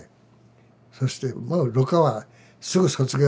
そして蘆花はすぐ卒業。